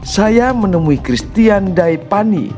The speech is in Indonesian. saya menemui christian daipani